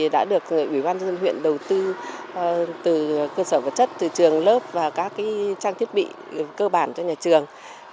đã được ủy ban dân huyện đầu tư từ cơ sở vật chất từ trường lớp và các trang thiết bị cơ bản cho nhà trường